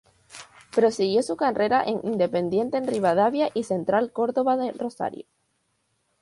Prosiguió su carrera en Independiente Rivadavia y Central Córdoba de Rosario.